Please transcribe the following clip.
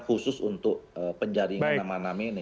khusus untuk penjaringan nama nama ini